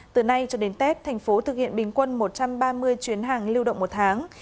từ nay cho đến tết thành phố thực hiện bình quân một trăm ba mươi chuyến hàng lưu động một tháng